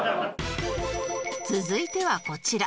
続いてはこちら